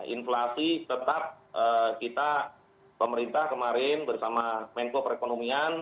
inflasi tetap kita pemerintah kemarin bersama menko perekonomian